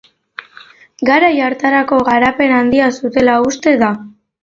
Garai hartarako garapen handia zutela uste da.